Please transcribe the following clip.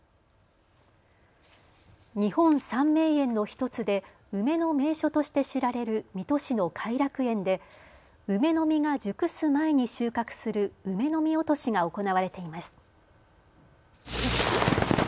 日本三名園の１つで梅の名所として知られる水戸市の偕楽園で梅の実が熟す前に収穫する梅の実落としが行われています。